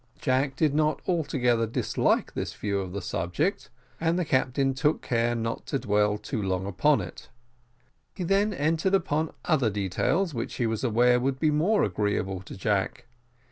Jack did not altogether dislike this view of the subject, and the captain took care not to dwell too long upon it. He then entered upon other details, which he was aware would be more agreeable to Jack.